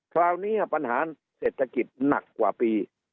คราวนี้ปัญหาเศรษฐกิจหนักกว่าปี